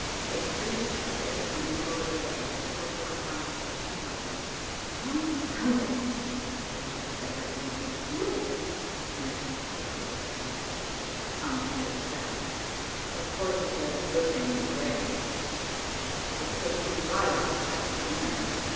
"Take three weeks' vacation, and then go to Hague as special correspondent for peace conference." "Confound it!" I ejaculated, as I read the missive. "Look at this," and I passed the paper over to Tom and Dorothy. Tom's face fell. "Of course it's a good thing in a way," said Tom, "but it takes you right off the track of 'the man.